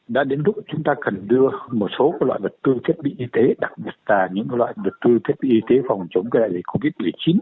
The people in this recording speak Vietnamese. đã đến lúc chúng ta cần đưa một số loại vật tư thiết bị y tế đặc biệt là những loại vật tư thiết bị y tế phòng chống đại dịch covid một mươi chín